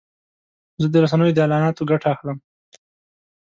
زه د رسنیو د اعلاناتو ګټه اخلم.